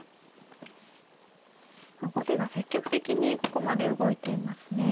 後手が積極的にここまで動いていますね。